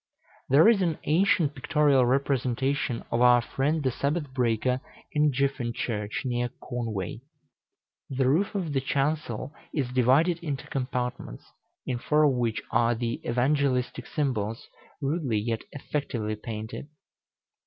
There is an ancient pictorial representation of our friend the Sabbath breaker in Gyffyn Church, near Conway. The roof of the chancel is divided into compartments, in four of which are the Evangelistic symbols, rudely, yet effectively painted.